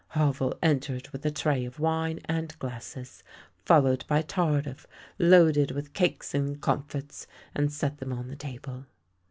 Havel entered with a tray of wine and glasses, fol lowed by Tardif loaded with cakes and comfits, and set them on the table.